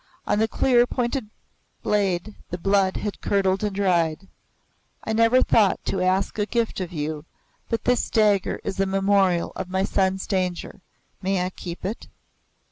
On the clear, pointed blade the blood had curdled and dried. "I never thought to ask a gift of you, but this dagger is a memorial of my son's danger. May I keep it?"